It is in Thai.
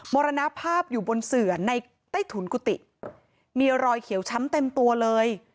มรณภาพอยู่บนเสือในใต้ถุนกุฏิมีรอยเขียวช้ำเต็มตัวเลย